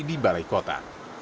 di balai kota